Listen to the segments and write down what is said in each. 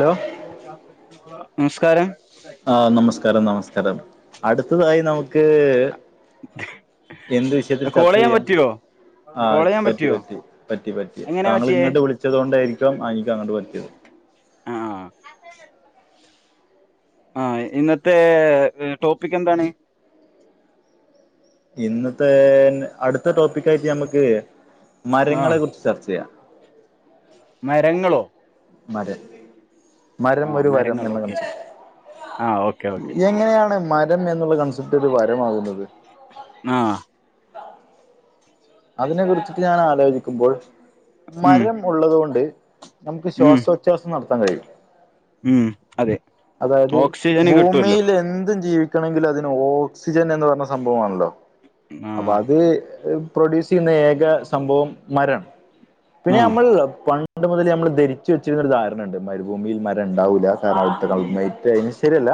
Hello നമസ്കാരം ആഹ് നമസ്കാരം നമസ്കാരം അടുത്തതായി നമുക്ക് എന്ത് വിഷയത്തിൽ കോൾ ചർച്ച ചെയ്യാൻ ചെയ്യാം പറ്റുവോ കോൾ ആഹ് ചെയ്യാൻ പറ്റി പറ്റുവോ പറ്റി പറ്റി പറ്റി എങ്ങനെയാ താങ്കൾ പറ്റിയേ ഇങ്ങട്ട് വിളിച്ചത് കൊണ്ടായിരിക്കാം ആ നിക്ക് അങ്ങട്ട് പറ്റിയത് ആഹ് ആഹ് ഇന്നത്തെ ടോപ്പിക് എന്താണ് ഇന്നത്തെ അടുത്തെ ടോപ്പിക്ക് ആയിട്ട് ഞമ്മക്ക് ആ മരങ്ങളെ കുറിച്ച് ചർച്ചെ യ്യാം മരങ്ങളോ മരം മരം ആ ഒരു വരം മരങ്ങൾ എന്ന് ഓക്കെ കൺസെപ്റ്റ് ആ ഓക്കെ ഓക്കെ എങ്ങനെയാണ് മരം എന്നുള്ള കൺസെപ്റ്റ് ഒരു വരമാകുന്നത് ആഹ് അതിനെ കുറിച്ചിട്ട് ഞാൻ ആലോചിക്കുമ്പോൾ ഉം മരം ഉള്ളതുകൊണ്ട് നമുക്ക് ഉം ശ്വാസ [unintelligible] നടത്താൻ കഴിയും. ഉം അതെ അതായത് ഓക്സിജന് കിട്ടുമല്ലോ ഭൂമിയിൽ എന്തും ജീവി ക്കണെങ്കിൽ അതിന് ഓക്സിജൻ എന്ന് പറഞ്ഞ സംഭവമാണല്ലോ ആ അപ്പൊ അത് പ്രൊഡ്യൂസ് ചെയ്യുന്ന ഏക സംഭവം മരം പിന്നെ ആ നമ്മൾ പണ്ട് മുതൽ നമ്മള് ധരിച്ച് വച്ചിരുന്ന ഒരു ധാരണ ഉണ്ട് മരുഭൂമിയിൽ മരം ഉണ്ടാവുല്ല കാരണം അടുത്തെ [unintelligible] അതിന് ശരിയല്ല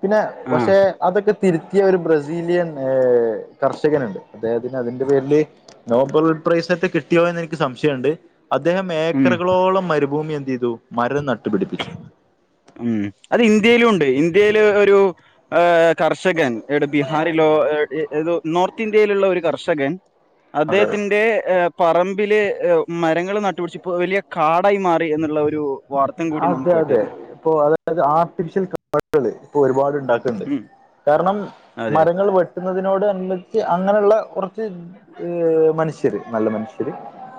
പിന്നെ ആ പക്ഷെ അതൊക്കെ തിരുത്തിയ ഒരു ബ്രസീലിയൻ ഏഹ് കർഷകനുണ്ട് അദ്ദേഹത്തിന് അതിന്റെ പേരില് നോബൽ പ്രൈസ് ഒക്കെ കിട്ടിയോ എന്ന് എനിക്ക് സംശയമുണ്ട് അദ്ദേഹം ഉം ഏക്കറകളോളം മരുഭൂമി എന്ത് ചെയ്തു മരം നട്ടുപിടിപ്പിച്ചു ഉം അത് ഇന്ത്യയിലുണ്ട് ഇന്ത്യയില് ഒരു ഏഹ് കർഷകൻ എടെ ബീഹാറിലോ ഏതൊ നോർത്ത് ഇന്ത്യയിലുള്ള ഒരു കർഷകൻ. അതെ അദ്ദേഹത്തിന്റെ പറമ്പില് മരങ്ങള് നട്ടുപിടിച്ച ഇപ്പം വലിയ കാടായി മാറി എന്നുള്ള ഒരു വാർത്തയും കൂടി നാം അതെ അതെ കേട്ടിരുന്നു. ഇപ്പൊ അതായത് ആർട്ടിഫിഷ്യൽ കാടുകള് ഇപ്പൊ ഒരുപാട് ഉണ്ടാക്ക ണ്ട് ഉം കാരണം അതെ മരങ്ങൾ വെട്ട വെട്ടുന്നതിനോട് എന്നിട്ട് അങ്ങനെയുള്ള കുറച്ച് മനു മനുഷ്യര് നല്ല മനുഷ്യര്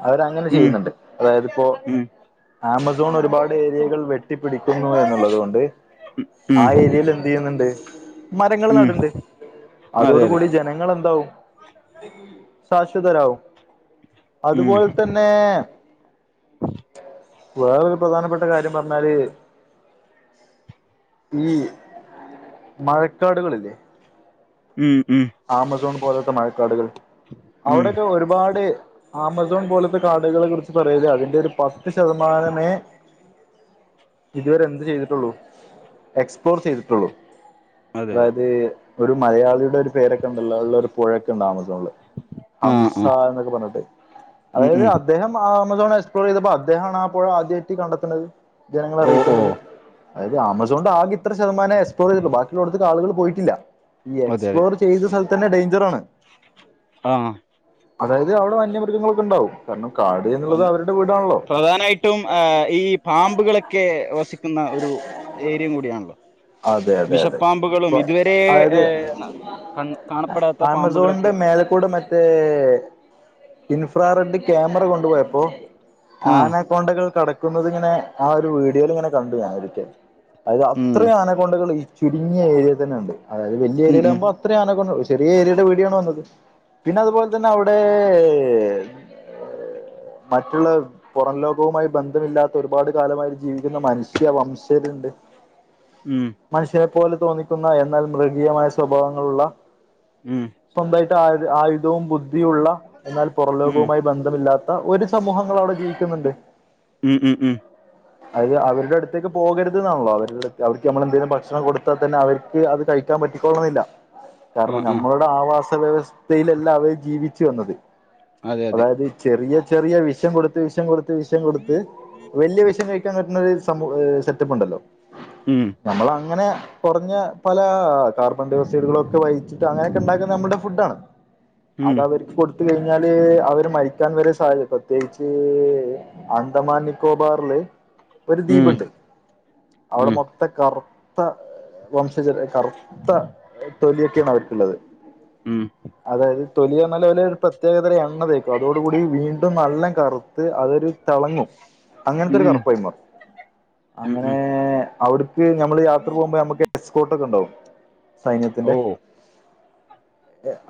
അവരങ്ങനെ ഉം ചെയ്യുന്നുണ്ട് അതായത് ഇപ്പോ ആമസോൺ ഒരുപാട് [unintelligible] വെട്ടിപ്പിടിക്കുന്നു എന്നുള്ളതുക കൊണ്ട് ആ ഉം ഏരിയയിൽ ഉം എന്ത് ചെയ്യുന്നുണ്ട് മരങ്ങൾ ഉം നടണ്ട് അതെ അതോട് അതെ കൂടി ജനങ്ങളെന്താവും ശാശ്വതരാവും ഉം അതുപോലെ തന്നെ വേറൊരു പ്രധാനപ്പെട്ട കാര്യം പറഞ്ഞാല് ഈ മഴക്കാടുകളില്ലേ ഉം ഉം ആമസോൺ പോലത്തെ മഴക്കാടുകൾ ഉം അവിടൊക്കെ ഒരുപാട് ആമസോൺ പോലത്തെ കാടുകളെ കുറിച്ച് പറയുക അതിന്റെ ഒരു പത്ത് ശതമാനമേ ഇതുവരെ എന്ത് ചെയ്തിട്ടുള്ളൂ എക്സ്പ്ലോർക് ചെയ്തിട്ടുള്ളു അതെ അതെ അതായത് ഒരു മലയാളിയുടെ ഒരു പേരൊക്കെ ണ്ടെല്ലൊ ഉള്ള ഒരു പുഴക്കെണ്ട് ആമസോണില് ആഹ് ഹംസ ആഹ് എന്നൊക്കെ പറഞ്ഞിട്ട് ഉം അതായത് ഉം അദ്ദേഹം ആമസോൺ എക്സ്പ്ലോർ ചെയ്തപ്പോ അദ്ദേഹമാണ് ആ പുഴ ആദ്യമായിട്ട് കണ്ടെത്തുന്നത് ജനങ്ങള ഓ ഓ അറിയിക്കുന്നത് അതായത് ആമസോണിന്റെ ആകെ ഇത്ര ശതമാനം എസ്പ്ലോറ് ചെയ്തിട്ടു ബാക്കി ഉള്ളോടുത്തക്ക് ആളുകൾ പോയിട്ടില്ല ഈ എക് അതെ അതെ എ്സ്പ്ലോർ ചെയ്ത സ്ഥലത്ത് തന്നെ ഡേഞ്ചറ് ആണ് ആഹ് അതായത് അവിടെ വന്യമൃഗങ്ങളൊക്കെ ഉണ്ടാവും കാരണം കാട് എന്നുള്ളത് അവരുടെ വീടാണല്ലോ ഏറ്റവും ഈ പാമ്പുകളൊക്കെ വസിക്കുന്ന ഒരു ഏരിയയും കൂടിയാണല്ലോ അതെ അതെ അതെ വിഷപ്പാമ്പുകളും ഇപ്പൊ ഇതുവരെ അതായത് ഏഹ് ന കൺ കാണപ്പെടാത്ത പാമ്പുകളൊക്കെ ആമസോണിന്റെ മേലക്കൂടെ മറ്റെ മറ്റേ ഇൻഫ്രാ റെഡ് ക്യാമറ കൊണ്ടുപോയപ്പൊ ആ ആനക്കൊണ്ടകൾ കടക്കുന്നുന്നത് ഇങ്ങനെ ആ ഒരു വീഡിയോയിൽ ഇങ്ങനെ കണ്ടു ഞാൻ ഒരിക്കെ അതായത് ഉം അത്രയും ആനക്കൊണ്ടകൾ ഈ ചുരുങ്ങിയ ഏരിയിൽ തന്നെ ഉണ്ട് അതായത് വലിയ ഉം ഏരിയില് ഉം ആകുമ്പോ എത്ര ആനകൊണ്ട ചെറിയ ഏരിയയുടെ വിഡീയോ ആണ് വന്നത് പിന്നെ അതുപോലെ തന്നെ അവിടെ മറ്റുള്ള പുറം ലോകവുമായി ബന്ധമില്ലാത്ത ഒരുപാട് കാലമായി ജീവിക്കുന്ന മനുഷ്യ വംശരുണ്ട് ഉം മനുഷ്യനെ പോലെ തോന്നിക്കുന്ന എന്നാൽ മൃഗീയമായ സ്വഭാവങ്ങളുള്ള ഉം സ്വന്തമായിട്ട് ആയു ആയുധവും ബുദ്ധിയും ഉള്ള എന്നാൽ ഉം പുറലോകവുമായി ബന്ധമില്ലാത്ത ഒരു സമൂഹങ്ങളവിടെ ജീവിക്കുന്നുണ്ട് ഉം ഉം ഉം അത് അവരുടെ അടുത്തേക്ക് പോകരുത് ന്നാണല്ലോ അവരുടെടു അവർക്ക് നമ്മൾ എന്തെങ്കിലും ഭക്ഷണം കൊടു ൽ തന്നെ അവർക്ക് അത് കഴിക്കാൻ പറ്റിക്കോളണന്നില്ല ആ കാരണം ആ നമ്മള ആവാസ വ്യവസ്ഥയിലല്ല അവര് ജീവിച്ചു വന്നത് അതെ അതെ അതായത് ചെറിയ ചെറിയ വിഷം കൊടുത്ത് വിഷം കൊടുത്ത് വിഷം കൊടുത്ത് വലിയ വിഷം കഴിക്കാൻ പറ്റുന്ന ഒരു സമൂ സെറ്റപ്പ് ഉണ്ടല്ലോ ഉം നമ്മൾ അങ്ങനെ കുറഞ്ഞ പല കാർബൺ ഡൈ ഓക്സൈഡുകളൊക്കെ വഹിച്ചിട്ട് അങ്ങനെയൊക്കെണ്ടാക്കുന്ന നമ്മടെ ഫുഡ് ആണ് ഉം അതവർക്ക് കൊടുത്ത് കൊടുത്ത് കഴിഞ്ഞാല് അവര് മരിക്കാൻ വരെ സാദ്യത പ്രത്യേകിച്ച് അന്തമാൻ നിക്കോബാറില് ഒരു ഉം ദ്വീപുണ്ട് അവിടെ ഉം മൊത്തം കറുത്ത വംശജ കറുത്ത തൊലിയൊക്കെയാണ് അവർക്കുള്ളത് ഉം അതായത് തൊലി എന്നാലൊരു പ്രത്യേകത എണ്ണ തേക്കും അതോട കൂടി വീണ്ടും നല്ല കറുത്ത് അതൊരു തിളങ്ങും അങ്ങനത്തൊരു ഉം കറുപ്പായി മാറും ഉം അങ്ങനെ ഉം അവിട്ക്ക് നമ്മള് യാത്ര പോകുമ്പ അപ്പോ നമുക്ക് എസ്കോട്ടോക്കെ ഉണ്ടാവും ഓ സൈന്യത്തിന്റെ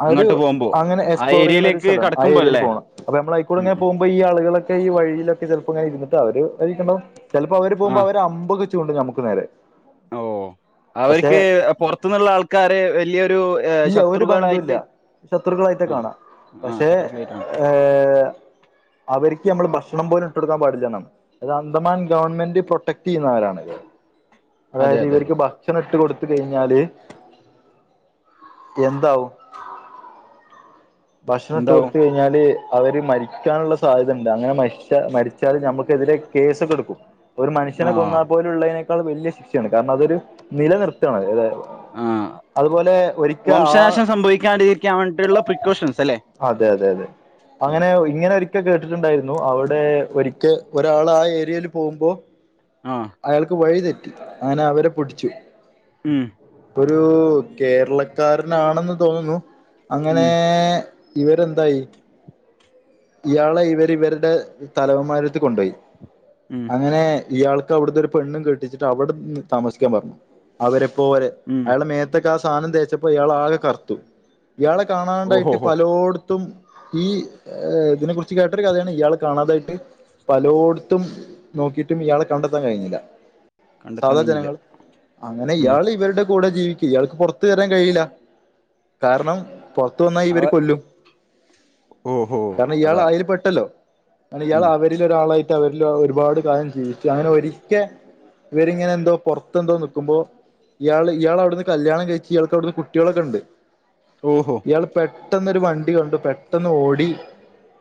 അരു അങ്ങോട്ട് പോകുമ്പോ അങ്ങനെ ആ എസ്പ്ലോർയ്യണ ഒരു ഏരിയയിലേക്ക് സ്ഥലാണ് ആ കടക്കുമ്പോ ഏരിയയിൽ അല്ലേ പോകണം അപ്പ നമ്മളയിക്കൂടെ ഉം ഇങ്ങനെ ഉം പോകുമ്പ വലിയ ആളുകളൊക്കെ ഈ വഴിയിലൊക്കെ ചെൽപ്പോ ഇങ്ങനെ ഇരുന്നിട്ടാ അവര് [unintelligible] ചെലപ്പോ അവര് ആ പോകുമ്പോ അവരെ അമ്പ് [unintelligible] നമുക്ക് നേരെ ഓഹ് പക്ഷെ അവർക്ക് പുറത്തുന്നുള്ള ആൾക്കാരെ വല്ല്യരു ഇല്ല ഒരു ബന്ധവുമില്ല ശത്രുക്കളായിട്ട് ശത്രുക്കളായിട്ട് ആ കാണാം ആ പക്ഷെ ശത്രുക്കളായിട്ടാണ് ഏ അവർക്ക് നമ്മൾ ഭക്ഷണം പോലും ഇട്ട് കൊടുക്കാൻ പാടില്ലന്നാണ് അത് അന്തമാൻ ഗവൺമെന്റ് പ്രൊട്ടക്ട് ചെയ്യുന്നവരാണല്ലോ അതെ അതായത് അതെ അതെ ഇവർക്ക് ഭക്ഷണം ഇട്ട് കൊടുത്ത് കഴിഞ്ഞാല് എന്താവും ഭക്ഷണം ഇട്ട് എന്താവും കൊടുത്ത് കഴിഞ്ഞാല് അവര് മരിക്കാനുള്ള സാധ്യത ഉണ്ട് അങ്ങനെ മ മരി മരിച്ചാല് നമുക്കെതിരെ കേസെക്കെട്ക്കും ഒരു ആ മനുഷ്യനെ കൊന്നാ ഇപോലുള്ളതിനേക്കാൾ വല്ല്യാ ശിക്ഷയാണ് കാരണം അതൊരു നിലനിർത്താണ് ആ അതുപോലെ ഒരിക്കെ ആഹ് സംഭവിക്കാണ്ടി രിക്കാൻ വേണ്ടിയുളള പ്രിക്കോഷൻസ് അല്ലെ അതെ അതെ അതെ അങ്ങനെ ഇങ്ങനെ ഒരിക്കെ കേട്ടിട്ടുണ്ടായിരുന്നു അവിടെ ഒരിക്കെൽ ഒരാൾ ആഹ് ഏരിയൽ പോകുമ്പോ ആഹ് അയാൾക്ക് വഴി തെറ്റി അങ്ങനെ അവരെ പുടിച്ചു ഉം ഒരു കേരള ളകാരനാണെന്ന് തോന്നുന്നു അങ്ങനെ ഉം ഇവരെന്തായി ഇയാളെ ഇവർ ഇവരുടെ തലവന്മാരത്ത് കൊണ്ടോയി ഉം അങ്ങനെ ഇയാൾക്ക് അവിടത്തെ ഒരു പെണ്ണും കേട്ടിച്ചിട്ട് അവിടെ താമസിക്കാൻ പറഞ്ഞു അവരെപ്പോരെ ഉം അയാളെ മേത്തൊക്കെ ആ സാധനം തേച്ചപ്പോ ഇയാളാകെ കറുത്തു ഇയാളെ ഓഹോ കാണാണ്ടായിട്ട് ഹോ പലോട്ത്തും ഈ ഏഹ് ഇതിനെ കുറിച്ച് കേട്ടൊരു കഥയാണ് ഇയാൾ കാണാതായിട്ട് പലോട്ത്തും നോക്കിട്ടും ഇയാളെ കണ്ടെത്താൻ കഴിഞ്ഞില്ല കണ്ടെത്താൻ സാധാ കഴിഞ്ഞില്ല ജനങ്ങൾ അങ്ങനെ ഉം ഇയാൾ ഇവരുടെ കൂടെ ജീവിക്ക ഇയാൾക്ക് പുറത്ത് വരാൻ കഴിയില്ല കാരണം പുറത്ത് വന്നാൽ അവ ഇവര് കൊല്ലും ഓഹോ കാരണം ഇയാൾ അതാ അയിൽ പെട്ടല്ലോ ഇയാൾ ഉം അവരിലൊരാളായിട്ടാ അവരിൽ ഒരുപാട് കാര്യം ജീവിച്ചു അങ്ങനെ ഒരിക്കെ ഇവരിങ്ങനെ എന്തോ പുറത്തെന്തോ നിക്കുമ്പോ ഇയാൾ ഇയാൾ അവിടുന്ന് കല്ല്യാണം കഴിച്ച് ഇയാൾക്ക് അവിടുന്ന് കുട്ടികളൊക്കെണ്ട് ഓഹോ അയാൾ പെട്ടെന്നൊരു വണ്ടി കണ്ടു പെട്ടെന്ന് ഓടി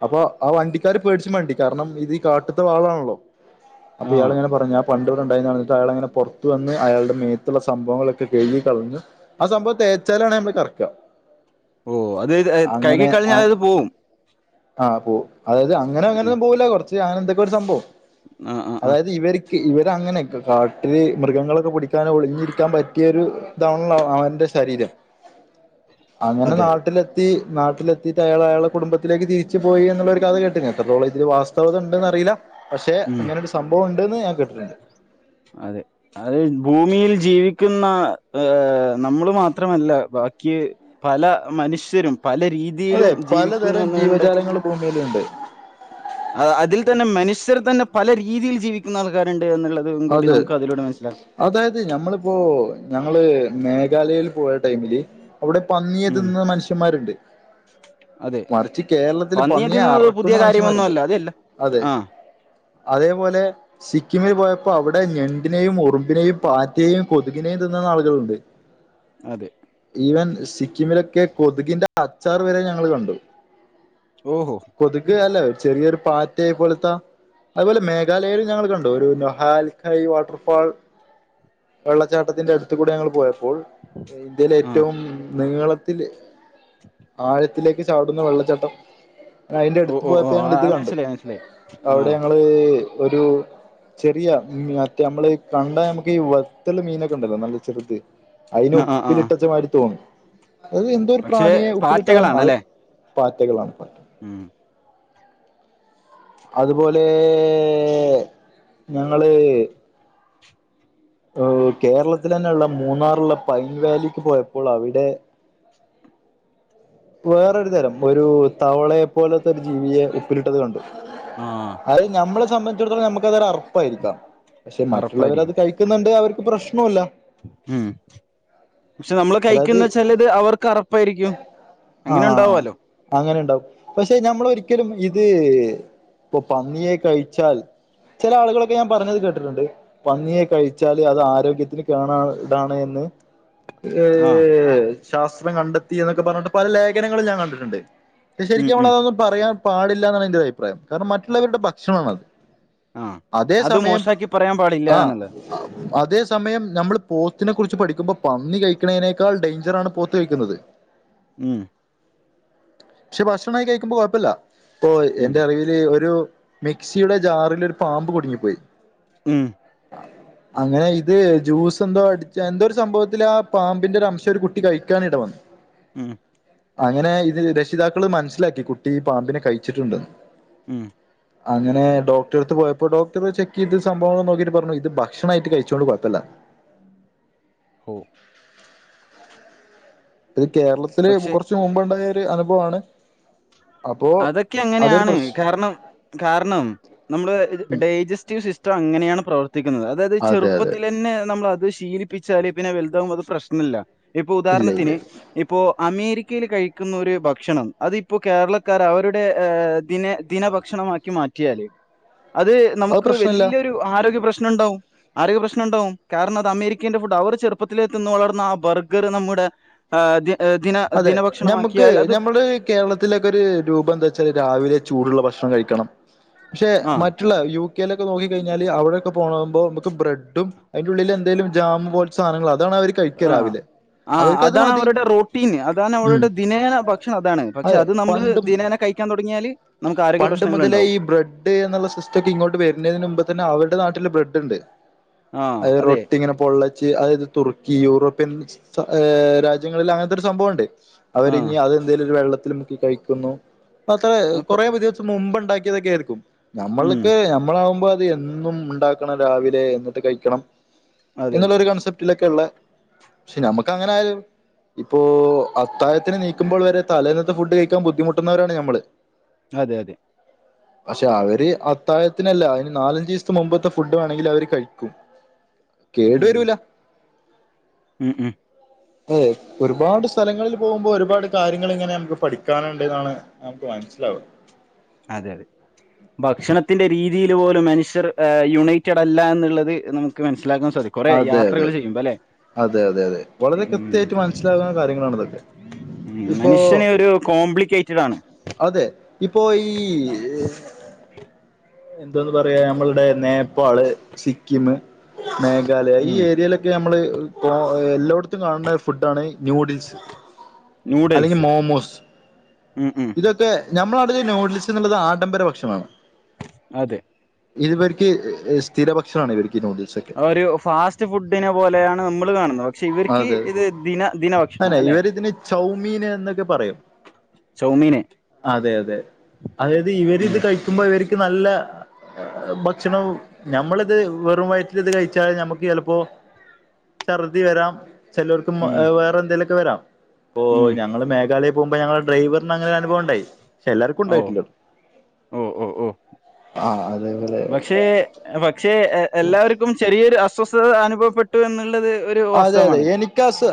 അപ്പൊ ആ വണ്ടിക്കാര് പേടിച്ച് വണ്ടി കാരണം ഇത് കാട്ടുത്തെ വാളാണല്ലോ അപ്പൊ ഇയാള് ആഹ് ഇങ്ങനെ പറഞ്ഞു പണ്ട് [unintelligible] അയാളിങ്ങനെ പുറത്തു വന്ന് അയാളുടെ മേത്തുള്ള സംഭവങ്ങളൊക്കെ കഴുകി കളഞ്ഞു അത് സംഭവം തേച്ചാലാണ് നമ്മള് കറക്കുക ഓഹ് അത് കഴുകിക്ക കളഞ്ഞാത് പോവും ആഹ് പോ അതായത് അങ്ങനെ അങ്ങനെ ഉം ഒന്നും പോവൂല കുറച്ച് അങ്ങനെ എന്തൊക്കെ ഒരു സംഭവം ആഹ് ആഹ് ആഹ് അതായത് ഇവർ ഇവരങ്ങനെ കാട്ടില് മൃഗങ്ങളൊക്കെ പടിക്കാനോ ഒളിഞ്ഞിരിക്കാൻ പറ്റിയൊരു ഇതാണല്ലോ അവന്റെ ശരീരം അങ്ങനെ അതെ അതെ നാട്ടിലെത്തി നാട്ടിലെത്തിട്ട് അയാള അയാളെ കുടുംബത്തി ത്തിലേക്ക് തിരിച്ച പോയി എന്നുള്ള ഒരു കഥ കേട്ടി എത്രത്തോളം ഇതിൽ വാസ്തവത് ഉണ്ടന്ന് അറിയില്ല പക്ഷെ ഉം അങ്ങനെ സംഭവം ഇണ്ട്ന്ന് ഞാ കേട്ടിട്ടുണ്ട് അതെ അത് ഭൂമിയിൽ ജീവിക്കുന്ന ഏഹ് നമ്മള് മാത്രമല്ല ബാക്കി പല മനുഷ്യരും പല രീതി അതെ പലതരം ജീവജാലങ്ങൾ ഭൂമിയിലിണ്ട് അതിൽ തന്നെ മനുഷ്യരെ തന്നെ പല രീതിയിൽ ജീവിക്കുന്ന ആൾക്കാരുണ്ട് എന്നുള്ളതും കൂടി അതെ നമുക്ക് അതിലൂടെ മനസ്സിലാക്കാം അതായത് ഞമ്മിപ്പോ ഞങ്ങള് മേഘാലയൽ പോയ ടൈമില് അവിടെ ഉം പന്നിയെതിന്നുന്ന മനുഷ്യന്മാരുണ്ട് അതെ മറിച്ച് കേരളത്തില് പന്നി പന്നിയെ തിന്നുന്നത് പുതിയ അറക്കുന്ന മനുഷ്യന്മാരുണ്ട് കാര്യമൊന്നുമല്ല അതെല്ല അതെ ആഹ് അതേപോലെ സിക്കിമിൽ പോയ അപ്പൊ അവിടെ ഞണ്ടിനെയും ഉറുമ്പിനെയും പാറ്റെയും കൊതുകിനെയും തിന്നുന്നാളുകളുണ്ട് അതെ ഈവൻ സിക്കിമിലൊക്കെ കൊതുകിന്റെ അച്ചാർ വരെ ഞങ്ങള് കണ്ടു ഓഹോ കൊതുക് അല്ല ചെറിയൊരു പാറ്റയെ പോലത്തെ അതുപോലെ മേഘാലയൽ ഞങ്ങൾ കണ്ടു ഒരുന്നോ ഹാൽഖൈ വാട്ടർഫാൾ വെള്ളച്ചാട്ടത്തിന്റെ അടുത്ത് കൂടെ ഞങ്ങൾ പോയത് അപ്പോൾ ഇന്ത്യയിലെ ആഹ് ഏറ്റവും നീളത്തിൽ ആഴത്തി ത്തിലേക്ക് ചാടുന്ന വെള്ളച്ചട്ടം അതിന്റെ ഓ അടുത്ത് ഓ ഓ പോയപ്പോ ആ ഞങ്ങള് ഇത് ആ, കണ്ടു മനസ്സിലായി മനസ്സിലായി അവിടെ ആഹ് ഞങ്ങള് ഒരു ചെറിയ മറ്റേ നമ്മള് കണ്ട നമുക്ക് ഈ വെത്തുള് മീനൊക്കെ ഉണ്ടല്ലോ നല്ല ചെറുത് അതിന് ആ ആ ആ ഉപ്പിലിട്ടച്ച മാതിരി തോന്നി അത് എന്തോ ഒരു പക്ഷെ പ്രാണിയെ ഉപ്പിലിട്ടതാണ് അവർ പാറ്റകളാണല്ലേ പാറ്റകളാണ് അവ ഉം അതുപോലെ ഞങ്ങള് കേരളത്തിലന്നെ ഉള്ള മൂന്നാറുള്ള പൈൻ വാലിക്ക് പോയപ്പോൾ അവിടെ വേറൊരു തരം ഒരു തവളയെ പോലത്തെ ഒരു ജീവിയെ ഉപ്പിലിട്ടത് കണ്ടു ആഹ് അത് നമ്മളെ സംബന്ധിച്ചിടത്തോളം നമുക്ക് അതൊരു അർപ്പായിരിക്കാം പക്ഷെ മറ്റുള്ളവരത് അറപ്പായിരിക്കും കഴ ക്കുന്നുണ്ട് അവർക്ക് പ്രശ്നോ ഇല്ല ഉം പക്ഷെ നമ്മള് അതായത് കഴിക്കന്ന് വെച്ചാൽ ഇത് അവർക്ക് അറപ്പായിരിക്കും അങ്ങനെ ആഹ് ആഹ് ഇണ്ടാവാലോ അങ്ങനെ ഇണ്ടാവും പക്ഷെ ഞമ്മള് ഒരിക്കലും ഇത് ഇപ്പൊ പന്നിയെ കഴിച്ചാൽ ചില ആളുകളൊക്കെ ഞാൻ പറഞ്ഞത് കേട്ടിട്ടുണ്ട് പന്നിയെ കഴി വച്ചാല് അത് ആരോഗ്യത്തിന് കേണാ കേടാണ് എന്ന് ആഹ് ഏഹ് ശാസ്ത്രം കണ്ടെത്തി എന്നൊക്കെ പറഞ്ഞിട്ട് പല ലേഖനങ്ങളും ഞാൻ കണ്ടിട്ടുണ്ട് ഉം ശരിക്കും ഉം നമ്മളെത് പറയാൻ പാടില്ലാന്നാണ് എന്റെ അഭിപ്രായം കാരണം മറ്റുള്ളവരുടെ ഭക്ഷണം ആണത് ആഹ് അത് മോശാക്കി പറയാൻ പാടില്ല ആഹ് എന്നുള്ളത് അതേ സമയം ഞമ്മള് പോത്തിനെ കുറിച്ച് പഠിക്കുമ്പൊ പന്നി കഴിക്കണെനേക്കാൾ ഡേഞ്ചറാണ് പോത്ത് കഴിക്കുന്നത്. ഉം. പക്ഷെ ഭക്ഷണായി കഴിക്കുമ്പോ കൊഴപ്പല്ല. ഇപ്പൊ ഉം എന്റെ അറിവ്. തെ ഒരു മിക്സിയുടെ ജാറിലൊരു പാമ്പ് കുടുങ്ങിപ്പോയി. ഉം. ആഹ്. അങ്ങനെയിത് ജ്യൂസെന്തോ അടിച്ച എന്തോ ഒരു സംഭവത്തിൽ ആ പാമ്പിന്റെ ഒരു അംശം ഒരു കുട്ടി കഴിക്കാൻ ഇടവന്ന്. [unintelligible] മ്ഹ്. അങ്ങനെയിത് രക്ഷിതാക്കള് മനസ്സിലാക്കി കുട്ടി പാമ്പിനെ കഴിച്ചിട്ടുണ്ട്ന്ന്. ഉം. അങ്ങനെ ഡോക്ടറെടുത്ത് പോയപ്പോ ഡോക്ടർ ചെക്ക് ചെയ്ത് സംഭവങ്ങൽ ന്ന്നോക്കിട്ട് പറഞ്ഞു. ഇത് ഭക്ഷണായിട്ട് കഴിച്ചോണ്ട് കൊഴപ്പല്ലന്ന്. ഓഹ്. ഇത് കേരളത്തില് പക്ഷെ കൊറച് മുമ്പുണ്ടായൊരു അനുഭവാണ്. അതൊക്കെ അങ്ങനെയാണ് കാരണം. കാരണം നമ്മളെ ഡൈജസ്റ്റീവ് സിസ്റ്റം അങ്ങനെയാണ് പ്രവർത്തിക്കുന്നത്. അതായത് അതെ അതെ ചെറുപ്പത്തിലന്നെ നമ്മളത് ശീലിപ്പിച്ചാല് പിന്നെ വലുതാവുമ്പോ അത് പ്രശ്നല്ല. ഇപ്പൊ ഇല്ല ഇല്ല ഉദാഹരണത്തിന്, ഇപ്പോ അമേരിക്കയിൽ കഴിക്കുന്നൊര് ഭക്ഷണം അതിപ്പോ കേരളത്തി. ക്കാരവരുടെ ദിന ദിന ഭക്ഷണമാക്കി മാറ്റിയാല് അത് അത് നമുക്ക് പ്രശ്നല്ല വല്യ. ഒരു ആരോഗ്യ പ്രശ്നണ്ടാവും. ആരോഗ്യ പ്രശ്നം ഉണ്ടാവും കാരണം അത് അമേരിക്കന്റെ ഫുഡ. അവർ ചെറുപ്പത്തിലെ തിന്നുവളർന്ന ആ ബർഗർ നമ്മുടെ. ആഹ് ദ് ദിന ദിന ഭക്ഷണമാക്കിയാലത്. കേരളത്തിലൊക്കെരു രൂപെന്താച്ചാല് രാവിലെ ചൂടുള്ള ഭക്ഷണം കഴിക്കണം പക്ഷെ ആഹ് മറ്റ്. ളേ യു കെയിലൊക്കെ നോക്കി കഴിഞ്ഞല് അവിടെക്കെ പോകുമ്പോ നമക്ക് ബ്രെഡും അയിന്റെള്ളിൽ എന്തേലും ജാം പോലെ. സാനങ്ങൾതാണവര്. ആ ആ അതാണ് അവരുടെ റോട്ടീന്. താണ് ഉം അവരുടെ ദിനേന ഭക്ഷണം അതാണ്. പക്ഷെ അതെ അത് നമ്മള് പണ്ടും ദിനേന കഴിക്കാൻ തൊടങ്ങിയാല്. നമുക്ക് ആരോഗ്യപ്രശ്നൾ ണ്ടാവും. ട്ന്നുള്ള സിസ്റ്റക്കെ ഇങ്ങോട്ട് വരുന്നതിന് മുമ്പേത്തന്നെ അവരുടെ നാട്ടിൽ ബ്രെഡ്ണ്ട്. അതെ റൊട്ടിങ്ങനെ പൊള്ള. ച് അതായത് തുർക്കി യൂറോപ്യൻ രാജ്യങ്ങളിൽ ആ അങ്ങനത്തൊര് സംഭവണ്ട്. ആ അവരിഞ്ഞി അതെന്തേലും ഒരു വെള്ളത്തിൽ മുക്കി കഴിക്കുന്നു. അത അപ്പ കൊറെ പുതിയ. മുമ്പ് ഇണ്ടാക്കിയതൊക്കെആയിരിക്കും. മ്മ്. നമ്മൾക്ക് നമ്മളാവുമ്പത്. എന്നും ഇണ്ടാക്കണം രാവിലെ എന്നിട്ട് കഴിക്കണം അതെ, എന്നുള്ള അതെ. ഒരു കൺസെപ്റ്റിലൊക്കെളെ. പക്ഷെ ഞമക്കങ്ങനെ അയാലും പ്പോ അത്താഴത്തിന് നീക്കുമ്പോൾ വരെ തലേന്നത്തെ ഫുഡ് കഴിക്കാൻ ബുദ്ധിമുട്ടുന്നവരാണ് ഞമ്മള്. അതെ അതെ. പക്ഷെ അവര് അത്താഴത്തിനല്ല അതിന് നാലഞ്ചിസത്തെ മുമ്പത്തെ ഫുഡ് വേണങ്കിൽ അവര് കഴിക്കും. കേടരൂല. ഉം ഉം. എയ്. ഒരുപാട് സ്ഥലങ്ങളിൽ പോകുമ്പോ ഒരുപാട് കാര്യങ്ങളിങ്ങനെ നമുക്ക് പഠിക്കാനുണ്ടന്നാണ് നമുക്ക് മനസ്സിലാവുന്നത്. അതെ അതെ. ഭക്ഷണത്തിന്റെ രീതിയിൽ പോലും മനുഷ്യർ യുണൈറ്റഡല്ലന്നിള്ളത് നമുക്ക്. ക്ക് മനസിലാക്കാൻ സാധിക്കും. കൊറേ അതെ അതെ യാത്രകള് ചെയ്യുമ്പോ ല്ലെ. അതെ അതെ അതെ വളരെ കൃത്യയിട്ട് മനസ്സിലാകുന്ന കാര്യങ്ങളാണിതൊക്കെ. മനുഷ്യനൊരു കോംപ്ലിക്കേറ്റഡാണ്. അതെ ഇപ്പോ ഈ ഏ എന്താന്ന് പറയാ നമ്മളുടെ നേപ്പാള് സിക്കിം മേഘാലയ ഈ മ്മ്. ഏരിയയിലക്കെ- നമ്മള് എല്ലായിടത്തും കാണുന്ന ഫുഡാണ് ന്യൂഡിൽസ് അല്ലെങ്കിൽ നൂഡിൽസ്. മോമോസ് മ്മ്, മ്മ്. ഇത് ഓക്കെ നമ്മള അടുത്ത് നൂഡിൽസ് എന്നുള്ളത് ആഡംബര ഭക്ഷണമാണ് അതെ ഇതിവർക്ക് സ്ഥിര ഭക്ഷണം ആണ് ഇവർക്ക് ന്യൂഡിൽസ് ഒക്കെ ഒരു ഫാസ്റ്റ് ഫുഡിനെ പോലെയാണ് നമ്മൾ കാണുന്നത് പക്ഷെ ഇവർക്ക് അതെ ഇത് ദിന ദിന അനെ ഭക്ഷണംല്ലെ ഇവരിതിന് ചൗമീന് എന്നൊക്കെ പറയും ചോമീനെ അതെ അതെ അതായത് ഉം ഇവരിത് കഴിക്കുമ്പോ ഇവർക്ക് നല്ല ഭക്ഷണം ഞമ്മളിത് വെറും വയറ്റിൽ ഇത് കഴിച്ചാൽ നമ്മുക്ക് ചിലപ്പോ ശർദി വരാം ചിലർക്കു ഉം വേറെന്തെങ്കലുമൊക്കെ വരാം ഓ ഉം ഞങ്ങൾ മേഘാലയ പോകുമ്പോ ഞങ്ങളുടെ ഡ്രൈവറിന അങ്ങനെ ഒരു അനുഭവം ഉണ്ടായി പക്ഷെ എല്ലർക്കും ഓ ഉണ്ടായിട്ടില്ല ഓ ഓ ഓ പക്ഷേ പക്ഷേ എല്ലാരു ക്കും ചെറിയൊരു അസ്വസ്ഥത അനുഭവപ്പെട്ടു എന്നുള്ളത് ഒരു അതെ അതെ വാസ്തവമാണല്ലോ എനിക്കാ സ്